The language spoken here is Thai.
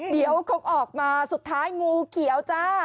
เดี๋ยวเขาออกมาสุดท้ายงูเขียวจ้า